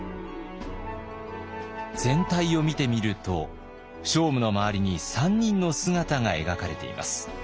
全体を見てみると聖武の周りに３人の姿が描かれています。